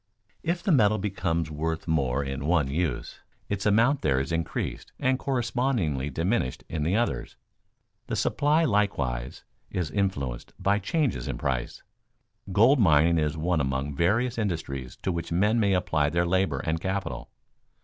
If the metal becomes worth more in one use, its amount there is increased and correspondingly diminished in the others. The supply likewise is influenced by changes in price. Gold mining is one among various industries to which men may apply their labor and capital.